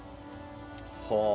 はあ！